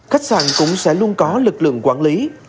khách sạn cũng sẽ luôn có lực lượng quản lý